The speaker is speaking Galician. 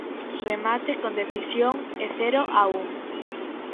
Remate con decisión e cero a un.